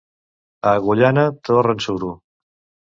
A Agullana torren suro.